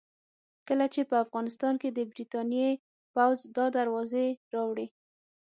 کله چې په افغانستان کې د برتانیې پوځ دا دروازې راوړې.